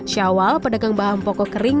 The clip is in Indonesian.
syawal pedagang bahan pokok kering